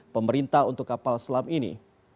pemerintah untuk kapal selam ini